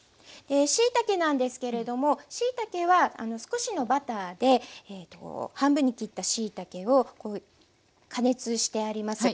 しいたけなんですけれどもしいたけは少しのバターで半分に切ったしいたけを加熱してあります。